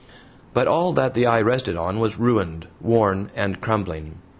But all that the eye rested on was ruined, worn, and crumbling.